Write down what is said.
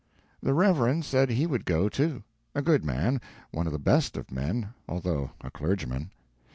The Reverend said he would go, too; a good man, one of the best of men, although a clergyman.